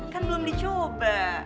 kan belum dicoba